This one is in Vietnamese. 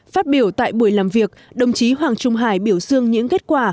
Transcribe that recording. phát biểu tại buổi làm việc đồng chí hoàng trung hải biểu dương những kết quả